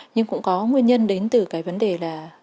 nhưng cũng có nguyên nhân đến từ cái vấn đề là